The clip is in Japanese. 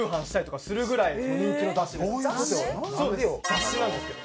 雑誌なんですけど。